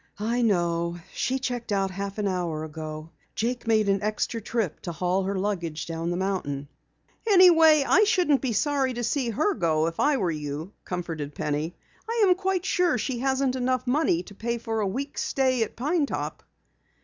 "I know. She checked out a half hour ago. Jake made an extra trip to haul her luggage down the mountain." "Anyway, I shouldn't be sorry to see her go if I were you," comforted Penny. "I am quite sure she hasn't enough money to pay for a week's stay at Pine Top."